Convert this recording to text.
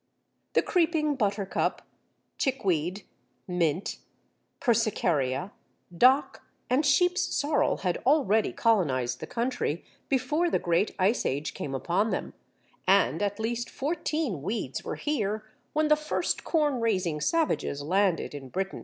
The Creeping Buttercup, Chickweed, Mint, Persicaria, Dock, and Sheep's Sorrel had already colonized the country, before the Great Ice Age came upon them, and at least fourteen weeds were here when the first corn raising savages landed in Britain.